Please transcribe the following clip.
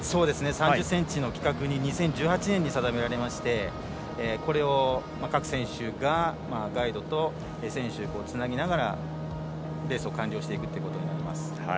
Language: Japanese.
３０ｃｍの規格に２０１８年に定められましてこれを各選手がガイドと選手をつなぎながらレースを完了していくことになります。